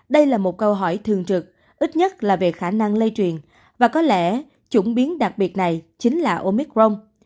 đây là một câu hỏi thường trực ít nhất là về khả năng lây truyền và có lẽ chuyển biến đặc biệt này chính là omicron